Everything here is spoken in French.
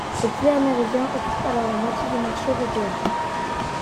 Le poulet américain occupe alors la moitié du marché européen.